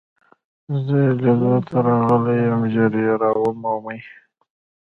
زه يې لیدو ته راغلی یم، ژر يې را ومومه.